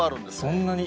そんなに。